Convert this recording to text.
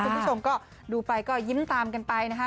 คุณผู้ชมก็ดูไปก็ยิ้มตามกันไปนะคะ